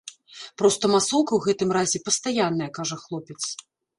Проста масоўка ў гэтым разе пастаянная, кажа хлопец.